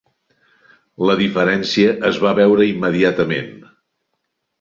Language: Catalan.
La diferència es va veure immediatament.